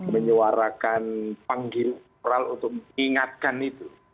menyuarakan panggil moral untuk mengingatkan itu